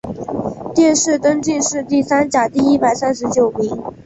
殿试登进士第三甲第一百三十九名。